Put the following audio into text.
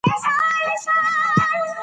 موږ بايد له وسيلو سمه استفاده وکړو.